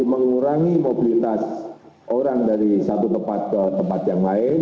mengurangi mobilitas orang dari satu tempat ke tempat yang lain